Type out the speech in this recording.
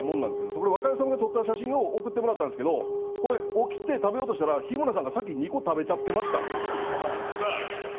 それ若井おさむが撮った写真を送ってもらったんですけどこれ起きて食べようとしたら日村さんが先２個食べちゃってました。